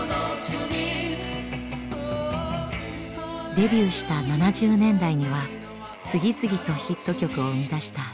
デビューした７０年代には次々とヒット曲を生み出したＴＵＬＩＰ。